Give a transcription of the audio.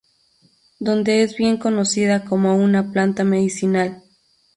Donde es bien conocida como una planta medicinal.